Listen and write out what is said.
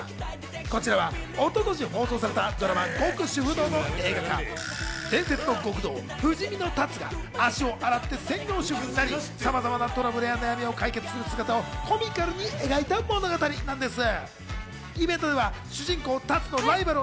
こちらは一昨年放送されたドラマ『極主夫道』の映画化、伝説の極道、不死身の龍が足を洗って専業主婦になり、さまざまなトラブルや悩みを解決する姿をコミカルに描いた物語なんです。